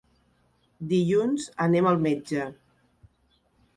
Dilluns anem al metge.